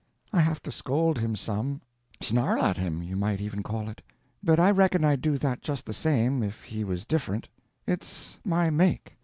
I have to scold him some, snarl at him, you might even call it, but I reckon I'd do that just the same, if he was different—it's my make.